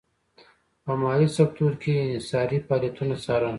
په مالي سکتور کې یې انحصاري فعالیتونه څارل.